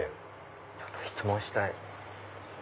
ちょっと質問したい。